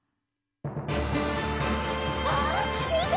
あっみて！